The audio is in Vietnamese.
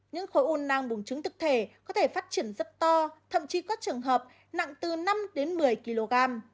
những khối u năng buồng trứng thực thể có thể phát triển rất to thậm chí có trường hợp nặng từ năm một mươi kg